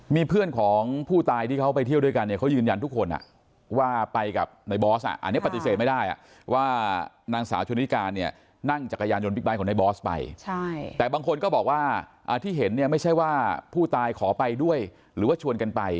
มีเพื่อนของผู้ตายที่เขาไปเที่ยวด้วยกันเนี่ยเขายืนยันทุกคนอ่ะ